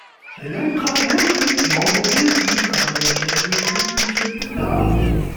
C'est l'Eintracht Brunswick qui remporte le titre après avoir terminé en tête du championnat.